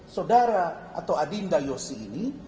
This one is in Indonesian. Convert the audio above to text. saudara atau adinda yosi ini